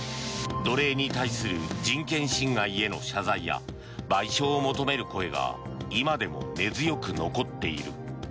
奴隷に対する人権侵害への謝罪や賠償を求める声が今でも根強く残っている。